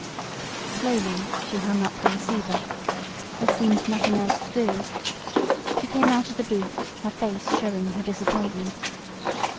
Slowly she hung up the receiver. There seemed nothing else to do. She came out of the booth, her face showing her disappointment.